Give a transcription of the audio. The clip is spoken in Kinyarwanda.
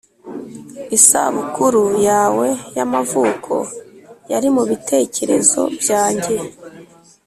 isabukuru yawe y'amavuko yari mubitekerezo byanjye,